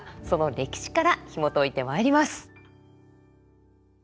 その歴史からひもといてまいります。